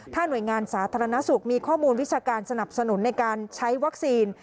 หน่วยงานสาธารณสุขมีข้อมูลวิชาการสนับสนุนในการใช้วัคซีน